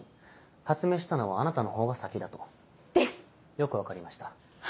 よく分かりました。